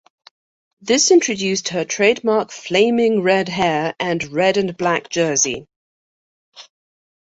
This introduced her trademark flaming red hair and red and black jersey.